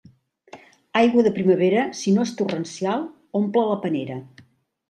Aigua de primavera, si no és torrencial, omple la panera.